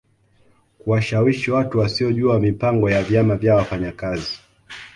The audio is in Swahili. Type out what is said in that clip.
Kuwashawishi watu wasiojua mipango ya vyama vya wafanyakazi